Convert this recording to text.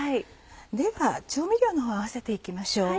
では調味料のほうを合わせて行きましょう。